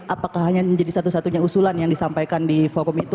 apakah hanya menjadi satu satunya usulan yang disampaikan di forum itu